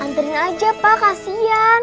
anterin aja pa kasian